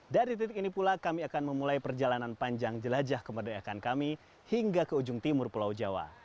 dari titik ini pula kami akan memulai perjalanan panjang jelajah kemerdekaan kami hingga ke ujung timur pulau jawa